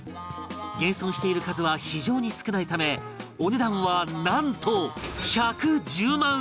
現存している数は非常に少ないためお値段はなんと１１０万円！